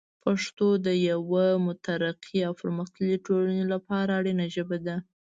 پښتو د یوه مترقي او پرمختللي ټولنې لپاره اړینه ژبه ده.